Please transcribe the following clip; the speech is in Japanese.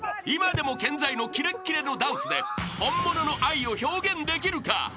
［今でも健在のキレッキレのダンスで本物の愛を表現できるか？］